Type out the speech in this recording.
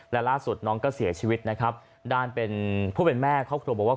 และล่าสุดน้องก็เสียชีวิตนะครับด้านเป็นผู้เป็นแม่ครอบครัวบอกว่า